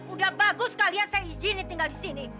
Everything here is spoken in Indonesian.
udah bagus kalian saya izini tinggal di sini